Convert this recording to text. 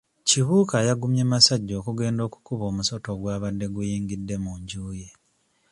Kibuuka yagumye masajja okugenda okukuba omusota ogwabadde guyingidde mu nju ye.